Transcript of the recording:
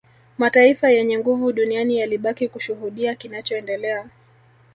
Mataifa yenye nguvu duniani yalibaki kushuhudia kinachoendelea